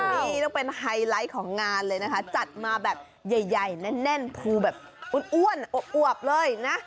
นี่ต้องเป็นไฮไลท์ของงานเลยนะคะจัดมาแบบใหญ่แน่นภูแบบอ้วนอวบเลยนะ